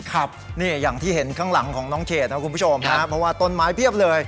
ครับนี่อย่างที่เห็นข้างหลังของน้องเขตนะคุณผู้ชมฮะเพราะว่าต้นไม้เพียบเลย